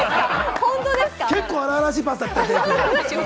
結構、荒々しいパスだったけれどもね。